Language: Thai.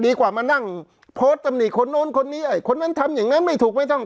ดีกว่ามานั่งโพสต์ตำหนิคนโน้นคนนี้ไอ้คนนั้นทำอย่างนั้นไม่ถูกไม่ต้อง